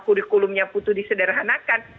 kurikulumnya butuh disederhanakan